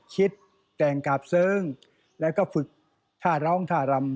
คิดแต่งกาบเสิร์ฟแล้วก็ฝึกท่าร้องท่ารำ